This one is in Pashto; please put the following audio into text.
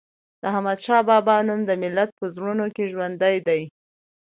د احمد شاه بابا نوم د ملت په زړونو کې ژوندی دی.